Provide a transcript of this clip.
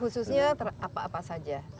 khususnya apa apa saja